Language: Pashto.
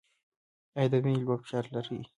ایا د وینې لوړ فشار لرئ؟